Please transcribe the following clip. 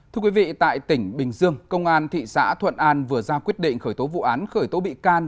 thưa quý vị tại tỉnh bình dương công an thị xã thuận an vừa ra quyết định khởi tố vụ án khởi tố bị can